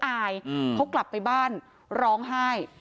อายเขากลับไปบ้านร้องไห้